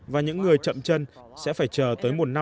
và những người chậm chân sẽ phải chờ tới một năm